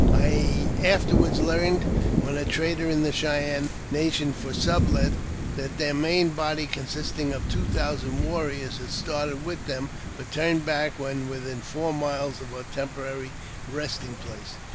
287 I afterwards learned, when a trader in the Cheyenne nation for Sublet, that their main body, consisting of two thousand warriors, had started with them, but turned back when within four miles of our temporary resting place.